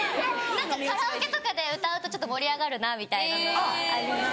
何かカラオケとかで歌うとちょっと盛り上がるなみたいなのはあります。